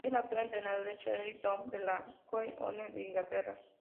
Es el actual entrenador del Shrewsbury Town de la League One de Inglaterra.